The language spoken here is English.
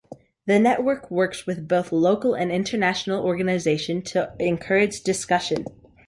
The network works with both local and international organization to encourage discussion.